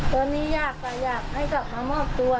ตอนนี้ยากก็อยากให้กลับมามอบตัว